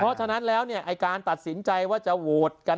เพราะฉะนั้นแล้วเนี่ยไอ้การตัดสินใจว่าจะโหวตกัน